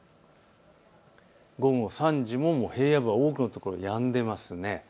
午後３時も平野部、多くの所やんでいます。